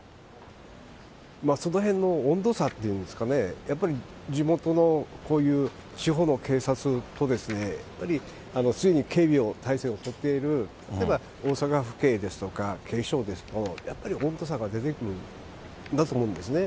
そのへんの温度差っていうんですかね、やっぱり地元のこういう地方の警察とですね、やっぱり常に警備態勢を取っている、例えば大阪府警ですとか、警視庁ですとか、やっぱり温度差が出てくるんだと思うんですね。